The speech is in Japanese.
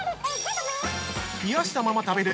◆冷やしたまま食べる！